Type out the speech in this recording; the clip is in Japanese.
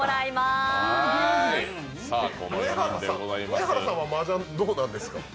上はらさん、マージャンはどうなんですか？